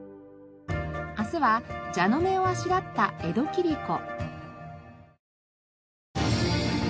明日は蛇ノ目をあしらった江戸切子。